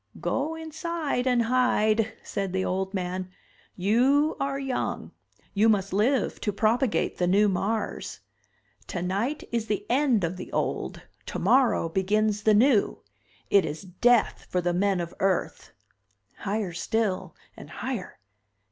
"Go inside and hide," said the old man. "You are young, you must live to propagate the new Mars. Tonight is the end of the old, tomorrow begins the new! It is death for the men of Earth!" Higher still and higher.